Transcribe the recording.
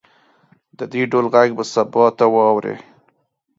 د دې ډول غږ به سبا ته واورئ